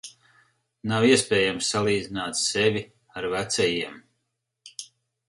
Nav iespējams salīdzināt sevi ar vecajiem.